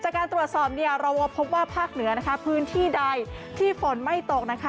จากการตรวจสอบเราพบว่าภาคเหนือพื้นที่ใดที่ฝนไม่ตก